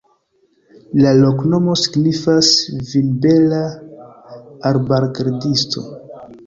La loknomo signifas: vinbera-arbargardisto.